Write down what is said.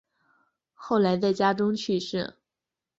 后来在家中去世。